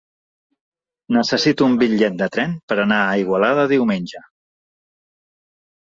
Necessito un bitllet de tren per anar a Igualada diumenge.